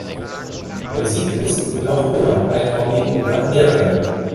Musik ist noch immer ein Hobby unter mehreren.